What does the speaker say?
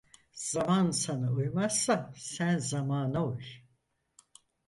Zaman sana uymazsa sen zamana uy.